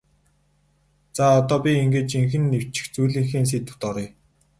За одоо би ингээд жинхэнэ бичих зүйлийнхээ сэдэвт оръё.